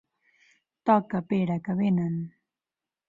Toca, Pere, que venen.